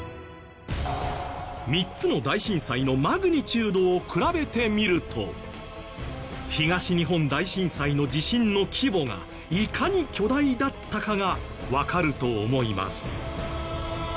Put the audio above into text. ３つの大震災のマグニチュードを比べてみると東日本大震災の地震の規模がいかに巨大だったかがわかると思います。